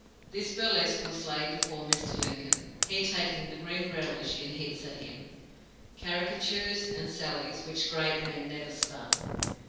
This burlesque was laid before Mr. Lincoln, he taking the grim relish in hits at him, caricatures and sallies, which great men never spurn.